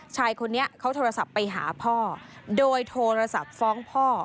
ชายคนนี้เขาโทรศัพท์ไปหาพ่อโดยโทรศัพท์ฟ้องพ่อ